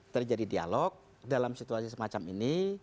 terjadi dialog dalam situasi semacam ini